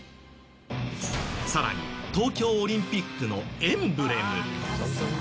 更に、東京オリンピックのエンブレム。